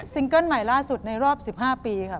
เกิ้ลใหม่ล่าสุดในรอบ๑๕ปีค่ะ